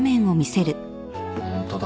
ホントだ。